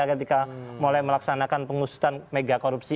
ketika mulai melaksanakan pengusutan mega korupsi